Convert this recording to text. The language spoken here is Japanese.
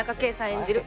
演じる